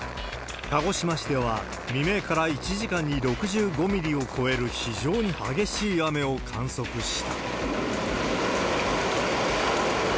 鹿児島市では、未明から１時間に６５ミリを超える非常に激しい雨を観測した。